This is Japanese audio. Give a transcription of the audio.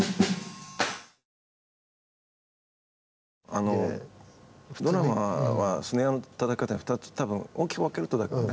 あのドラマーはスネアのたたき方に２つ多分大きく分けるとだけどね。